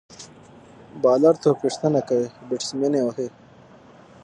بالر توپ ویشتنه کوي، بیټسمېن يې وهي.